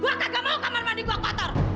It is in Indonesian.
gue kagak mau kamar mandi gue katar